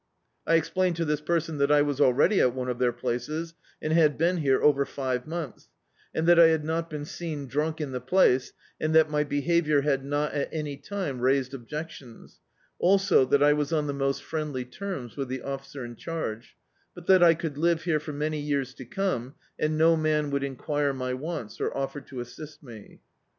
I explained to this person that I was already at one of their places, and had been here over five months; and that I had not been seen drunk in the place, and that my behaviour had not, at any time, raised ob jectims, also that I was on the most friendly terms with the officer in charge; but that I could live here for many years to c<Hne, and no man would enquire my wants or offer to assist me.